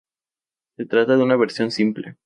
Se trata de una versión simple.